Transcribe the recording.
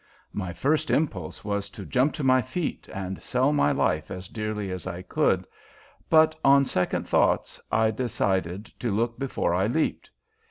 My first impulse was to jump to my feet and sell my life as dearly as I could, but on second thoughts I decided to look before I leaped.